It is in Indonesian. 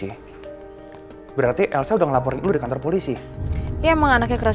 iya emang anaknya keras kepala jadi kalau misalnya aku mau jalan ke kantor polisi aku bisa jalanin sama elsa ya gitu ya